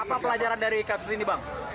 apa pelajaran dari ikat sini bang